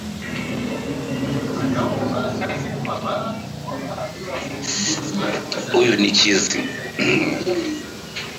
waliitwa hivyo wakiridhia jina hili kwa jina